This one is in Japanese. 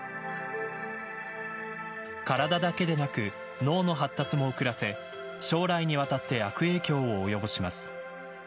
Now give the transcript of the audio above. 体だけでなく脳の発達も遅らせ将来にわたって悪影響を及ぼします。